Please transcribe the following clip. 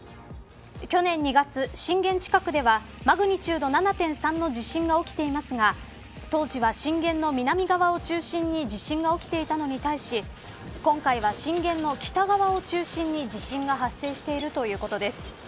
去年２月、震源近くではマグニチュード７．３の地震が起きていますが当時は、震源の南側を中心に地震が起きてたのに対し今回は震源の北側を中心に地震が発生しているということです。